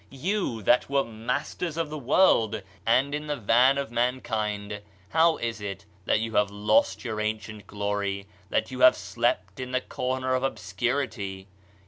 You that were masters of the world and in the van of mankind — how is it that you have lost your an cient glory, that you have slept in the corner of obscurity?